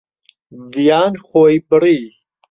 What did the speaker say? ڤیان خۆی بڕی.